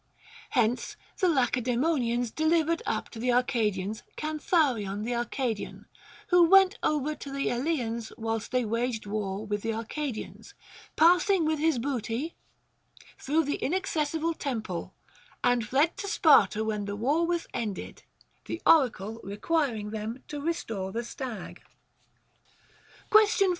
Hence the La cedaemonians delivered up to the Arcadians Cantharion the Arcadian, who went over to the Eleans whilst they waged war with the Arcadians, passing with his booty through the inaccessible temple, and fled to Sparta when the Avar was ended ; the oracle requiring them to restore the stao•. Question 40.